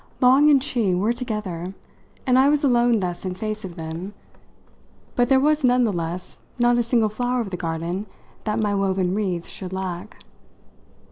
Long and she were together, and I was alone thus in face of them, but there was none the less not a single flower of the garden that my woven wreath should lack.